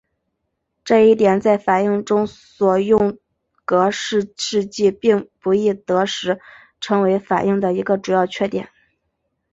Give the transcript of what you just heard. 这一点在反应中所用格氏试剂并不易得时成为反应的一个主要缺点。